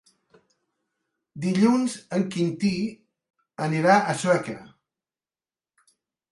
Dilluns en Quintí anirà a Sueca.